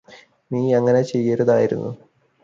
നീ അങ്ങനെ ചെയ്യരുതായിരുന്നു.